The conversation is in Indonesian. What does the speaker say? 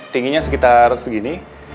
tingginya sekitar segini